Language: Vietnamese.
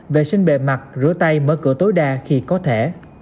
vệ sinh bề mặt rửa tay mở cửa tối đa khi có thể